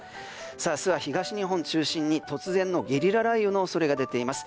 明日は東日本中心に突然のゲリラ雷雨の恐れが出ています。